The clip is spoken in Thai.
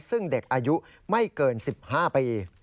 ซึ่งเด็กอายุไม่เกิน๑๕ปี